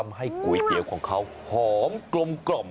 ทำให้ก๋วยเตี๋ยวของเขาหอมกลมครับ